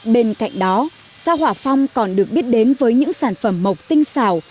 bên cạnh đó sao hỏa phong còn được biết đến với những sản phẩm mộc tinh xào